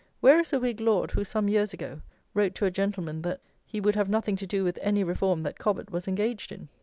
Where is a Whig lord, who, some years ago, wrote to a gentleman that "he would have nothing to do with any reform that Cobbett was engaged in"?